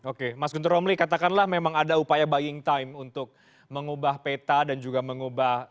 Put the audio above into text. oke mas guntur omli katakanlah memang ada upaya buying time untuk mengubah peta dan juga mengubah